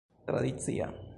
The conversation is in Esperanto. tradicia